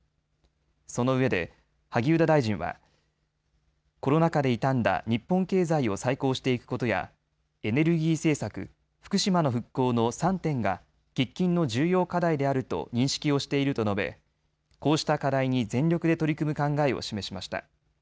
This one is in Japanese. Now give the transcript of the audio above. そのうえで萩生田大臣はコロナ禍で傷んだ日本経済を再興していくことやエネルギー政策、福島の復興の３点が喫緊の重要課題であると認識をしていると述べこうした課題に全力で取り組む考えを示しました。